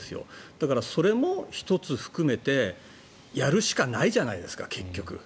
だから、それも１つ含めてやるしかないじゃないですか結局。